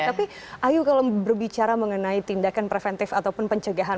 tapi ayu kalau berbicara mengenai tindakan preventif ataupun pencegahan